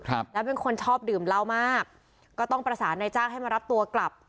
ครับแล้วเป็นคนชอบดื่มเหล้ามากก็ต้องประสานนายจ้างให้มารับตัวกลับ